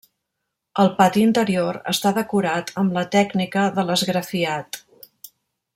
El pati interior està decorat amb la tècnica de l'esgrafiat.